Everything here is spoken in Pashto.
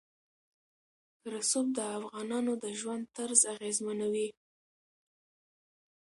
رسوب د افغانانو د ژوند طرز اغېزمنوي.